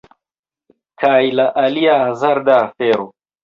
Kaj la alia hazarda afero...